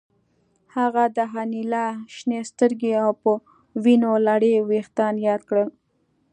هغه د انیلا شنې سترګې او په وینو لړلي ویښتان یاد کړل